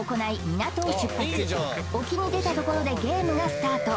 港を出発沖に出たところでゲームがスタート